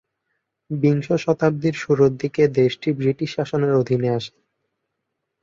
বিংশ শতাব্দীর শুরুর দিকে দেশটি ব্রিটিশ শাসনের অধীনে আসে।